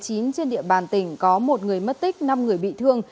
trên địa bàn tỉnh có một người mất tích năm người bị thương